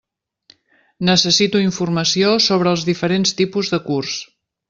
Necessito informació sobre els diferents tipus de curs.